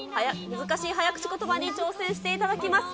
難しい早口ことばに挑戦していただきます。